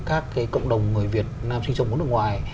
các cộng đồng người việt nam sinh sống ở nước ngoài